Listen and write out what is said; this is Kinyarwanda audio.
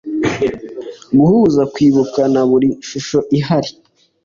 guhuza kwibuka na buri shusho ihari